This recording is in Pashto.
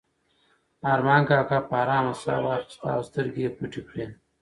ارمان کاکا په ارامه ساه واخیسته او سترګې یې پټې کړې.